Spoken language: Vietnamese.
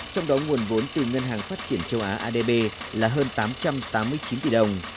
trong đó nguồn vốn từ ngân hàng phát triển châu á adb là hơn tám trăm tám mươi chín tỷ đồng